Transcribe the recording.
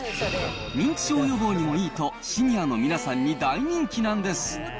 認知症予防にもいいと、シニアのみなさんに大人気なんです。